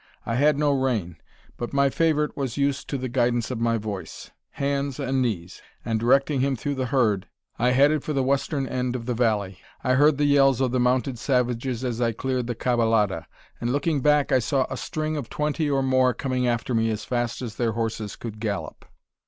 I had no rein; but my favourite was used to the guidance of my voice, hands, and knees; and directing him through the herd, I headed for the western end of the valley. I heard the yells of the mounted savages as I cleared the caballada; and looking back, I saw a string of twenty or more coming after me as fast as their horses could gallop.